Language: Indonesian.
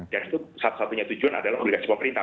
dan itu satu satunya tujuan adalah obligasi pemerintah